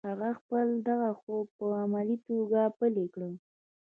هغه خپل دغه خوب په عملي توګه پلی کړ